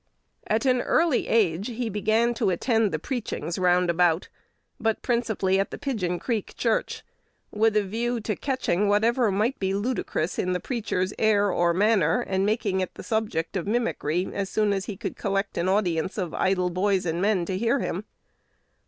At an early age he began to attend the "preachings" roundabout, but principally at the Pigeon Creek church, with a view to catching whatever might be ludicrous in the preacher's air or matter, and making it the subject of mimicry as soon as he could collect an audience of idle boys and men to hear him.